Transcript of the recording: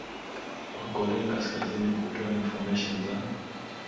kwa korea kaskazini kutoa information za